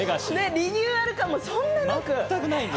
リニューアル感もあんまりない。